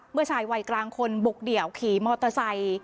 ชายวัยกลางคนบุกเดี่ยวขี่มอเตอร์ไซค์